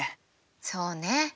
そうね